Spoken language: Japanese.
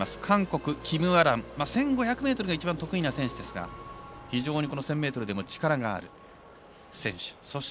韓国、キム・アラン１５００ｍが一番得意な選手ですが非常に１０００ｍでも力がある選手。